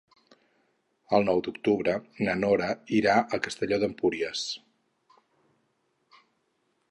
El nou d'octubre na Nora irà a Castelló d'Empúries.